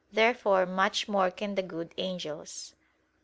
Therefore much more can the good angels.